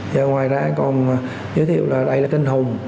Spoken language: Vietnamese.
và ngoài ra còn giới thiệu là đây là tinh hùng